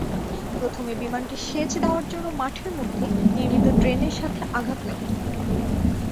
প্রথমে বিমানটি সেচ দেওয়ার জন্য মাঠের মধ্যে নির্মিত ড্রেনের সঙ্গে আঘাত লাগে।